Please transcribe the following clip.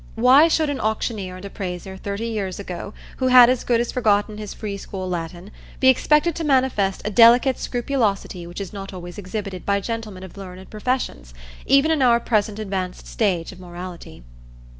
Why should an auctioneer and appraiser thirty years ago, who had as good as forgotten his free school Latin, be expected to manifest a delicate scrupulosity which is not always exhibited by gentlemen of the learned professions, even in our present advanced stage of morality?